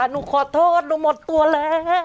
หนูขอโทษหนูหมดตัวแล้ว